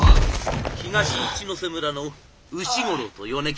東一之瀬村の丑五郎と米吉。